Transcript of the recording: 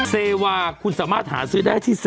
เซวาคุณสามารถหาซื้อได้ที่